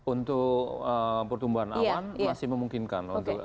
untuk pertumbuhan awan masih memungkinkan